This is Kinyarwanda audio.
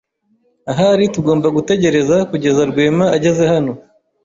Ahari tugomba gutegereza kugeza Rwema ageze hano.